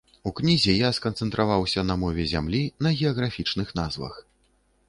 У кнізе я сканцэнтраваўся на мове зямлі, на геаграфічных назвах.